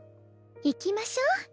行きましょう。